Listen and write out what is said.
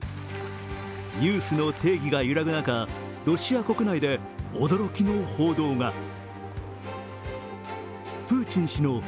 ニュースの定義が揺らぐ中ロシア国内で驚きの報道が。